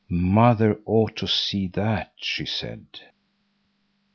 "Mother ought to see that," she said.